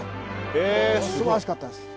すばらしかったです。